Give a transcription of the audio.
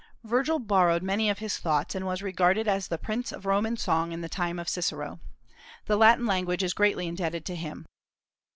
Virgil borrowed many of his thoughts, and was regarded as the prince of Roman song in the time of Cicero. The Latin language is greatly indebted to him.